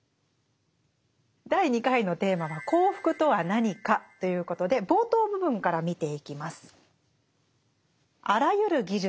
第２回のテーマは「幸福とは何か」ということで冒頭部分から見ていきます。